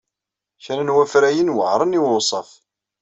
Kra n wafrayen weɛṛen i wewṣaf.